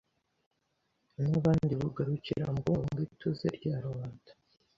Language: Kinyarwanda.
n’abandi bugarukira mu kubungabunga ituze rya rubanda.